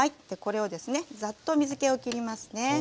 これをですねざっと水けをきりますね。